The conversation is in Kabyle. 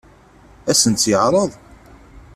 Ad sen-tt-yeɛṛeḍ?